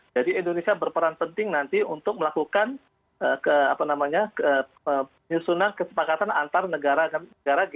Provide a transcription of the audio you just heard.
jadi indonesia berperan penting nanti untuk melakukan penyusunan kesepakatan antar negara g dua puluh